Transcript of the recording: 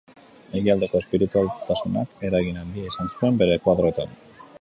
Ekialdeko espiritualtasunak eragin handia izan zuen bere koadroetan.